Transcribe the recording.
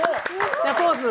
ポーズ。